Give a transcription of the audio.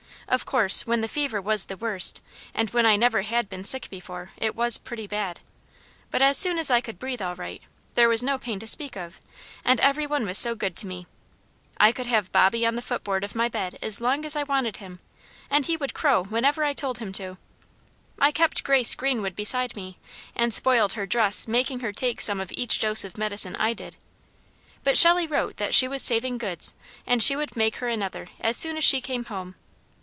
Of course when the fever was the worst, and when I never had been sick before, it was pretty bad, but as soon as I could breathe all right, there was no pain to speak of, and every one was so good to me. I could have Bobby on the footboard of my bed as long as I wanted him, and he would crow whenever I told him to. I kept Grace Greenwood beside me, and spoiled her dress making her take some of each dose of medicine I did, but Shelley wrote that she was saving goods and she would make her another as soon as she came home.